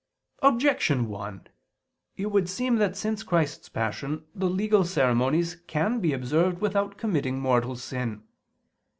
Objection 1: It would seem that since Christ's Passion the legal ceremonies can be observed without committing mortal sin.